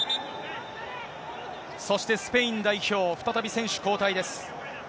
そしてスペイン代表、再び選手交代です。